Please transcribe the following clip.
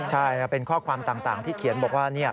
ใช่เป็นข้อความต่างที่เขียนบอกว่า